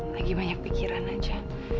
lagi banyak pikiran aja